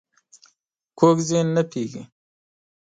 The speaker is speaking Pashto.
کوږ ذهن نه پوهېږي